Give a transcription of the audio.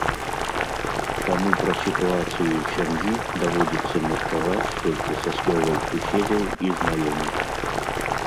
Таму пра сітуацыю ў сям'і даводзіцца меркаваць толькі са словаў суседзяў і знаёмых.